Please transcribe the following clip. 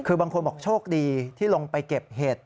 คือบางคนบอกโชคดีที่ลงไปเก็บเห็ด